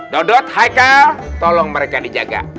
dodot haikal tolong mereka dijaga